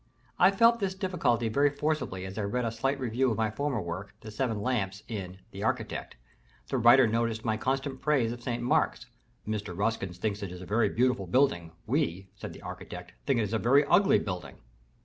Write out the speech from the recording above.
I felt this difficulty very forcibly as I read a slight review of my former work, "The Seven Lamps," in "The Architect:" the writer noticed my constant praise of St. Mark's: "Mr. Ruskin thinks it a very beautiful building! We," said the Architect, "think it a very ugly building."